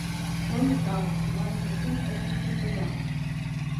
Ой, тау, — Йываным моктен ок тем суртоза.